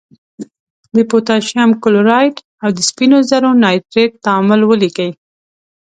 د پوتاشیم کلورایډ او د سپینو زور نایتریت تعامل ولیکئ.